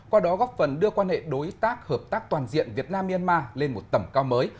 qua đó góp phần đưa quan hệ đối tác hợp tác toàn diện việt nam myanmar lên một tầm cao mới